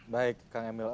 baik kang emil